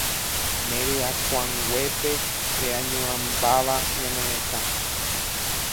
Ne ryakuãnguépe reañuãmbáva ñane retã